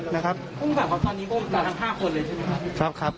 ซักพักนึงครับ